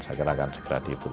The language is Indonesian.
saya kira akan segera dihitung